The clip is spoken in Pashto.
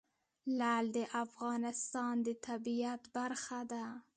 لعل د افغانستان د طبیعت برخه ده.